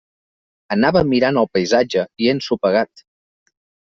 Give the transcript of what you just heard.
Anava mirant el paisatge i he ensopegat.